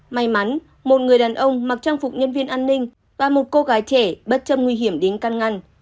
may mắn một người đàn ông mặc trang phục nhân viên an ninh và một cô gái trẻ bất chấp nguy hiểm đến căn ngăn